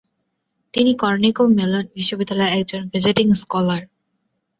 তিনি Carnegie Mellon বিশ্ববিদ্যালয়ের একজন ভিজিটিং স্কলার।